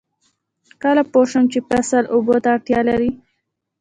کله پوه شم چې فصل اوبو ته اړتیا لري؟